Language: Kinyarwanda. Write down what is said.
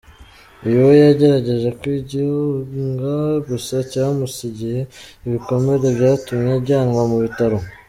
Uyu we yagerageje kugihunga gusa cyamusigiye ibikomere byatumye ajyanwa mu bitaro.